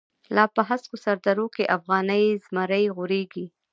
لاپه هسکوسردروکی، افغانی زمری غوریږی